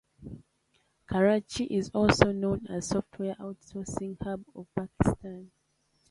Karachi is also known as software outsourcing hub of Pakistan.